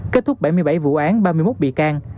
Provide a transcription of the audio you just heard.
kết thúc bảy mươi bảy vụ án ba mươi một bị can